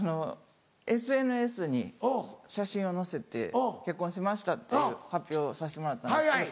ＳＮＳに写真を載せて結婚しましたっていう発表をさせてもらったんですけど。